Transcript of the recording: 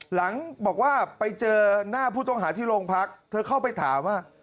หลังบอกว่าไปเจอหน้าผู้ต้องหาที่โรงพักเธอเข้าไปถามว่า